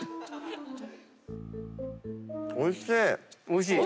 おいしい？